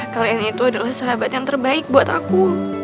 kalian itu adalah sahabat yang terbaik buat aku